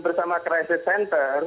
bersama crisis center